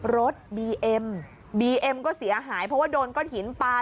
รถบีเอ็มบีเอ็มก็เสียหายเพราะว่าโดนก้อนหินปลา